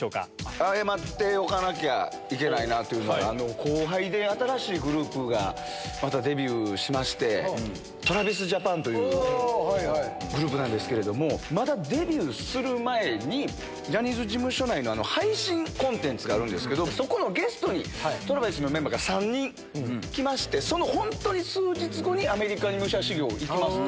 謝っておかなきゃいけないなというのが、後輩で、新しいグループがまたデビューしまして、ＴｒａｖｉｓＪａｐａｎというグループなんですけれども、まだデビューする前に、ジャニーズ事務所内の配信コンテンツがあるんですけど、そこのゲストにトラビスのメンバーが３人来まして、その本当に数日後にアメリカに武者修行行きますと。